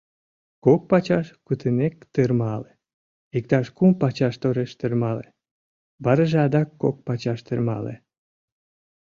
Кок пачаш кутынек тырмале, иктаж кум пачаш тореш тырмале, вараже адак кок пачаш тырмале.